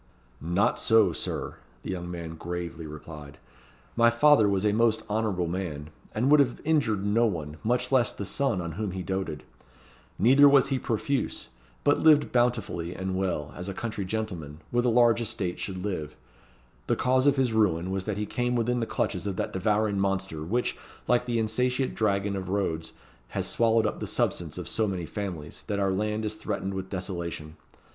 "Not so, Sir," the young man gravely replied; "my father was a most honourable man, and would have injured no one, much less the son on whom he doated. Neither was he profuse; but lived bountifully and well, as a country gentleman, with a large estate, should live. The cause of his ruin was that he came within the clutches of that devouring monster, which, like the insatiate dragon of Rhodes, has swallowed up the substance of so many families, that our land is threatened with desolation.